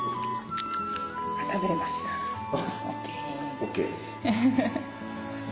ＯＫ！